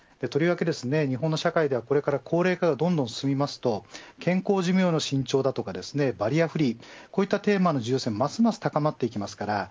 日本の社会ではこれから高齢化がどんどん進みますと健康寿命の伸長とかバリアフリーこういうテーマがますます高まってきます。